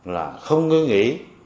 là không ngư nghĩ